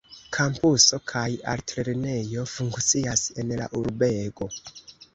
Kampuso kaj altlernejo funkcias en la urbego.